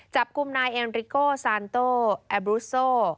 จับกลุ่มนายเอ็มริโกซานโตแอบรุสโซ